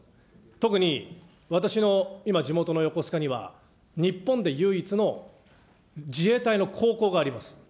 特に私の今地元の横須賀には、日本で唯一の自衛隊の高校があります。